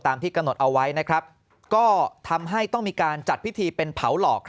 ตามที่กะหนดเอาไว้ก็ทำให้มีการจัดพิธีเป็นเผาหลอก